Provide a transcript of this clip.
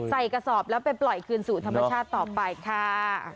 กระสอบแล้วไปปล่อยคืนสู่ธรรมชาติต่อไปค่ะ